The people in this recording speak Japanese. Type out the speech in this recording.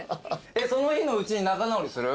その日のうちに仲直りする？